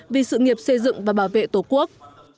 vì sự nghiệp xây dựng và bảo vệ tổ quốc